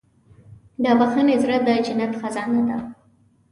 د بښنې زړه د جنت خزانه ده.